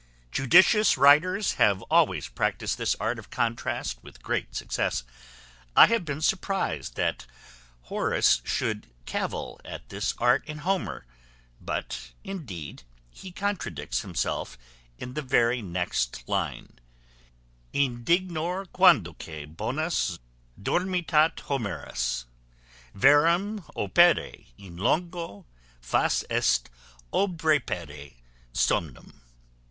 Judicious writers have always practised this art of contrast with great success. I have been surprized that Horace should cavil at this art in Homer; but indeed he contradicts himself in the very next line: _Indignor quandoque bonus dormitat Homerus; Verum opere in longo fas est obrepere somnum.